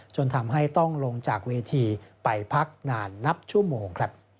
จนทำให้ต้องลงจากเวทีไปพักนานนับชั่วโมง